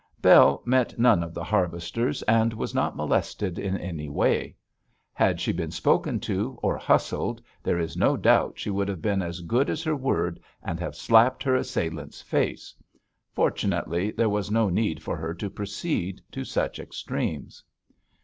Bell met none of the harvesters and was not molested in any way. Had she been spoken to, or hustled, there is no doubt she would have been as good as her word and have slapped her assailant's face. Fortunately, there was no need for her to proceed to such extremes.